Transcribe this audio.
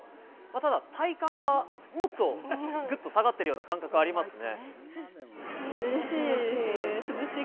ただ体感はもっとぐっと下がっているような感覚ありますね。